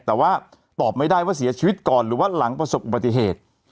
แต่ว่าตอบไม่ได้ว่าเสียชีวิตก่อนหรือว่าหลังประสบอุบัติเหตุ